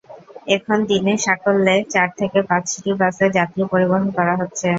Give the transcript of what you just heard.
এখন দিনে সাকল্যে চার থেকে পাঁচটি বাসে যাত্রী পরিবহন করা হচ্ছে।